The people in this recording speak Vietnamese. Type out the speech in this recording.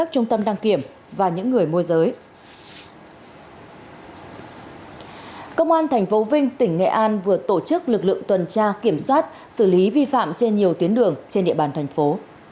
công an tp vinh tỉnh nghệ an vừa tổ chức lực lượng tuần tra kiểm soát xử lý vi phạm trên nhiều tuyến đường trên địa bàn thành phố